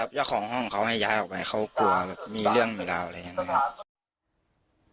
ครับเยอะของห้องเขาให้ย้ายออกไปเขากลัวมีเรื่องหรือเปล่าอะไรอย่างนั้นครับ